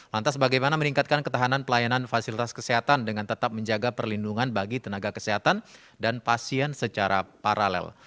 lantas bagaimana meningkatkan ketahanan pelayanan fasilitas kesehatan dengan tetap menjaga perlindungan bagi tenaga kesehatan dan pasien secara paralel